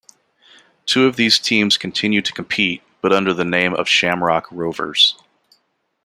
Two of these teams continue to compete, but under the name of Shamrock Rovers.